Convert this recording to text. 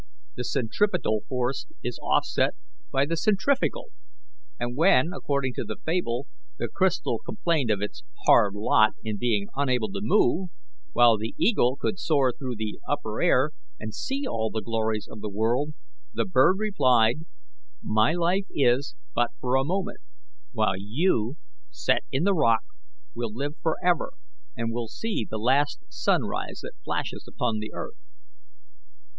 The centripetal force is offset by the centrifugal; and when, according to the fable, the crystal complained of its hard lot in being unable to move, while the eagle could soar through the upper air and see all the glories of the world, the bird replied, 'My life is but for a moment, while you, set in the rock, will live forever, and will see the last sunrise that flashes upon the earth.'